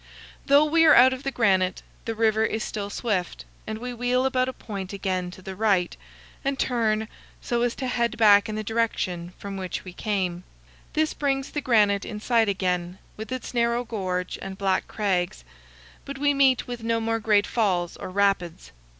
Though we are out of the granite, the river is still swift, and we wheel about a point again to the right, and turn, so as to head back in the 268 CANYONS OF THE COLORADO, direction from which we came; this brings the granite in sight again, with its narrow gorge and black crags; but we meet with no more great falls or rapids.